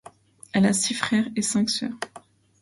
Elle a six frères et cinq sœurs.